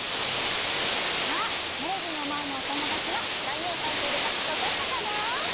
さあテレビのまえのおともだちはなにをかいているかわかったかな？